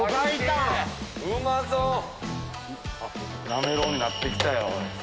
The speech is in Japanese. なめろうになって来たよ。